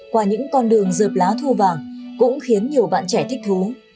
qua những con đường dợp lá thu vàng cũng khiến nhiều bạn trẻ thích thú